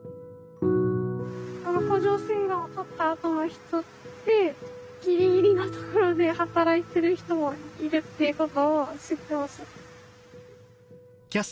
甲状腺がんをとったあとの人ってギリギリのところで働いてる人もいるっていうことを知ってほしい。